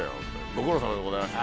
ご苦労さまでございました。